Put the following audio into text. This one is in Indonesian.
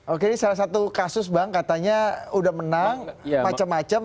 oke ini salah satu kasus bang katanya udah menang macam macam